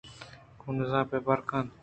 کُنر کہ بر کنت